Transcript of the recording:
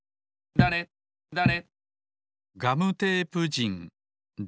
だれだれ。